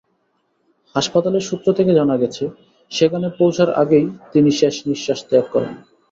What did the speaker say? হাসপাতালের সূত্র থেকে জানা গেছে, সেখানে পৌঁছার আগেই তিনি শেষনিঃশ্বাস ত্যাগ করেন।